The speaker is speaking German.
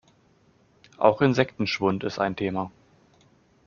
Auch Insektenschwund ist ein Thema.